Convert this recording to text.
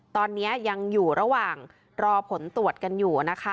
ตอนนี้ยังอยู่ระหว่างรอผลตรวจกันอยู่นะคะ